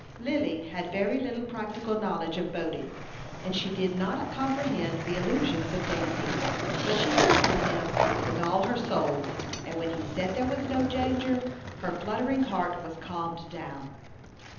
Lily had very little practical knowledge of boating, and she did not comprehend the allusions of Dandy; but she trusted him with all her soul, and when he said there was no danger, her fluttering heart was calmed down.